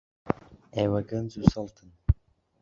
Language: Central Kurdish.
ئێوە گەنج و سەڵتن.